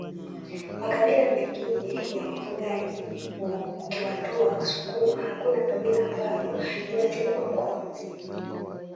Makabila mengine ya wafugaji ukiwatoa wasukuma hakuna kabila ambalo linachukua mkoa mzima